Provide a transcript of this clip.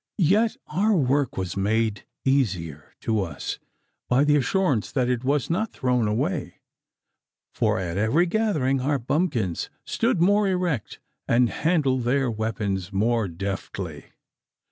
Yet our work was made easier to us by the assurance that it was not thrown away, for at every gathering our bumpkins stood more erect, and handled their weapons more deftly.